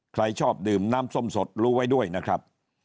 ใครชอบดื่มน้ำส้มสดรู้ไว้ด้วยนะครับ